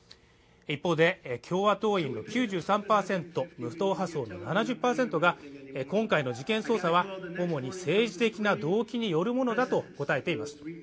一方で共和党員の９３％、無党派層の７０％が今回の事件捜査は主に政治的な動機によるものだと答えています